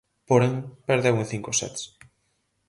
Porén, perdeu en cinco sets.